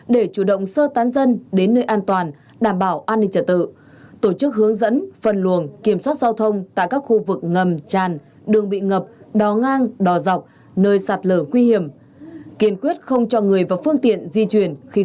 để chủ động sơ tán dân đến nơi an toàn đảm bảo an ninh trở tự